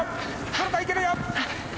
黒田いけるよ！